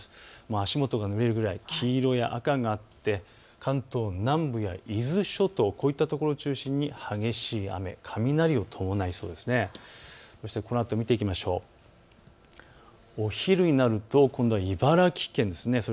足元もぬれるぐらい、黄色も赤もあって関東南部や伊豆諸島、こういったところを中心に激しい雨、雷を伴いそうです。